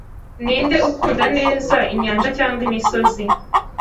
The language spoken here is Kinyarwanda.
Ninde ukunda neza, inyanja cyangwa imisozi?